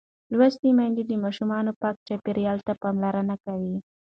لوستې میندې د ماشوم پاک چاپېریال ته پاملرنه کوي.